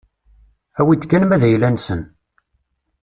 Awi-d kan ma d ayla-nsen.